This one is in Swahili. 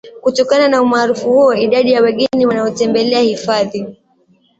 Kutokana na umaarufu huo idadi ya wageni wanaotembelea hifadhi